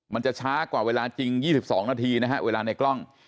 มันจะช้ากว่าเวลาจริง๒๒นาทีนะฮะเวลาในกล้อง